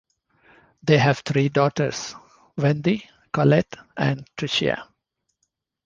They have three daughters: Wendy, Collette and Tricia.